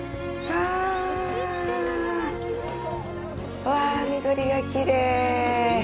あぁ、緑がきれい。